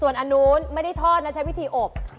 อันนู้นไม่ได้ทอดนะใช้วิธีอบ